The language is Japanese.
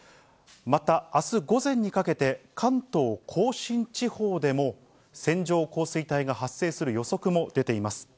またあす午前にかけて、関東甲信地方でも、線状降水帯が発生する予測も出ています。